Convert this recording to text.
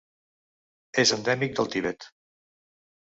És endèmic del Tibet.